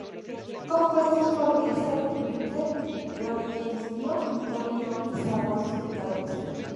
Compuestos por Geezer Butler, Ronnie James Dio y Tony Iommi, salvo los indicados.